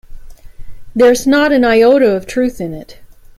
There's not an iota of truth in it.